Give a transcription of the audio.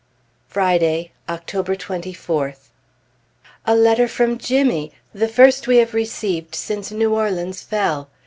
Friday, October 24th. A letter from Jimmy, the first we have received since New Orleans fell.